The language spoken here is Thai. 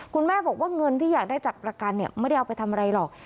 คุณแม่บอกว่าเงินที่อยากได้จากประกันไม่ได้เอาไปทำอะไรหรอก